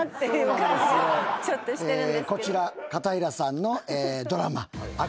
こちら片平さんのドラマ。